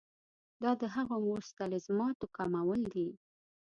دا د هغو مستلزماتو کمول دي.